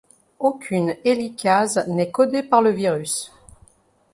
Aucune hélicase n'est codée par le virus.